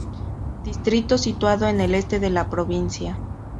Distrito situado en el este de la provincia.